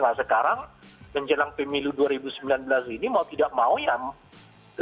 nah sekarang menjelang pemilu dua ribu sembilan belas ini mau tidak mau ya tiga partai ini mungkin ditambah dengan pbb ya